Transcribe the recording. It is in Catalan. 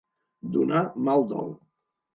Donar mal dol.